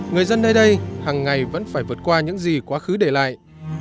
người dân nơi đây hằng ngày vẫn phải vượt qua những gì quá khứ để lại